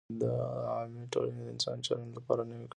عملي ټولنپوهان د انساني چلند لپاره نوې کړنلارې جوړوي.